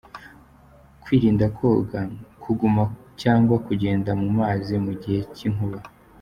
Kwirinda koga, kuguma cyangwa kugenda mu mazi mu gihe cy’inkuba.